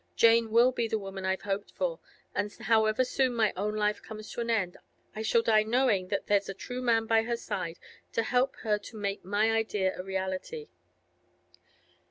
Jane will be the woman I've hoped for, and however soon my own life comes to an end, I shall die knowing that there's a true man by her side to help her to make my idea a reality.